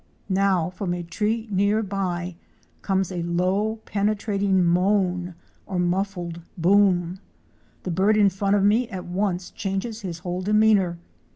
(Fig. 135.) Now from a tree near by comes a low penetrating moan or muffled boom. The bird in front of me at once changes his whole demeanor.